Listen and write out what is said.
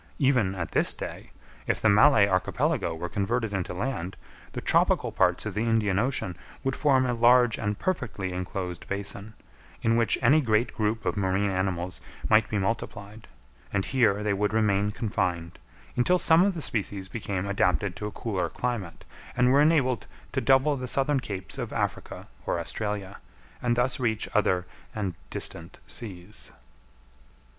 Even at this day, if the Malay Archipelago were converted into land, the tropical parts of the Indian Ocean would form a large and perfectly enclosed basin, in which any great group of marine animals might be multiplied; and here they would remain confined, until some of the species became adapted to a cooler climate, and were enabled to double the southern capes of Africa or Australia, and thus reach other and distant seas.